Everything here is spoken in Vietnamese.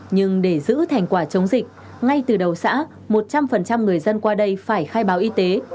nhưng để giữ thành quả chống dịch ngay từ đầu xã một trăm linh người dân qua đây phải khai báo y tế